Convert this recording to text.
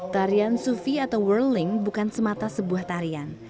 tarian sufi atau worlling bukan semata sebuah tarian